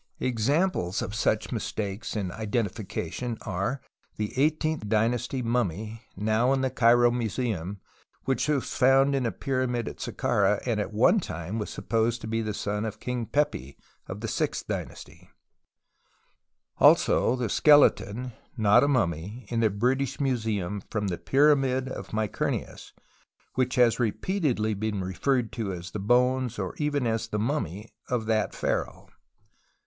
Examples of such mistakes in identifi cation are the eighteenth dynasty mummy, now in the Cairo Museum, which was found in a pyramid at Sakkara, and at one time was supposed to be the son of King Pepi, of the sixtli dynasty ; and the skeleton (not a mummy) in tlie British Museum from the pyramid of Mykerinus, which has repeatedly been referred to as the bones, or even as the mummy, of that pharaoh.